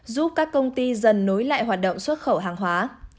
giúp các công ty dần nối lại hoạt động xuất khẩu hàng hóa